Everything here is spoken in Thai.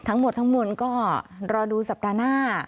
ทั้งหมดทั้งมวลก็รอดูสัปดาห์หน้า